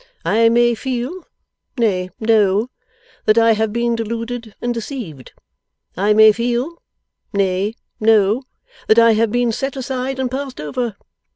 I may feel nay, know that I have been deluded and deceived. I may feel nay, know that I have been set aside and passed over.